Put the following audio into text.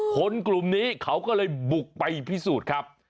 คนกลุ่มนี้เขาก็เลยบุกไปพิสูจน์ครับ